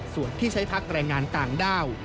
ส่วนที่ใช้พักแรงงานต่างด้าว